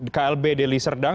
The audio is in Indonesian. klb deli serdang